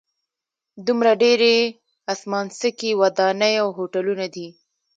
دومره ډېرې اسمانڅکي ودانۍ او هوټلونه دي.